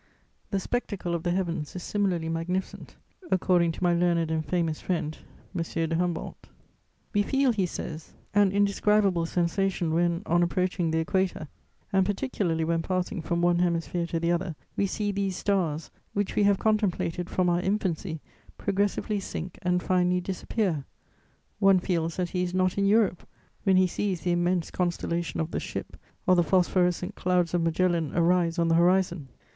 The spectacle of the heavens is similarly magnificent, according to my learned and famous friend, M. de Humboldt: "We feel," he says, "an indescribable sensation when, on approaching the Equator, and particularly when passing from one hemisphere to the other, we see these stars, which we have contemplated from our infancy, progressively sink and finally disappear.... One feels that he is not in Europe, when he sees the immense constellation of the Ship or the phosphorescent Clouds of Magellan arise on the horizon....